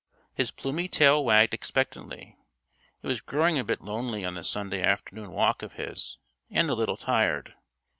His plumy tail wagged expectantly. He was growing a bit lonely on this Sunday afternoon walk of his, and a little tired.